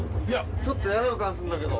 ちょっと嫌な予感するんだけど。